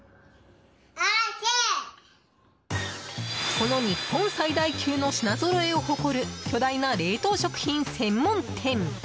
この日本最大級の品ぞろえを誇る巨大な冷凍食品専門店。